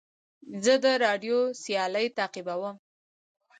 زه د راډیو سیالۍ تعقیبوم.